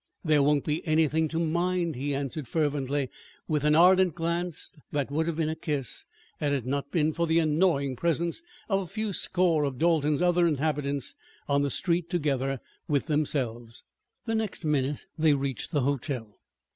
"There won't be anything to mind," he answered fervently, with an ardent glance that would have been a kiss had it not been for the annoying presence of a few score of Dalton's other inhabitants on the street together with themselves. The next minute they reached the hotel.